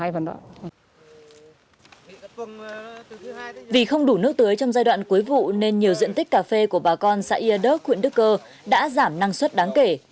vì không đủ nước tưới trong giai đoạn cuối vụ nên nhiều diện tích cà phê của bà con xã yaderg huyện đức cơ đã giảm năng suất đáng kể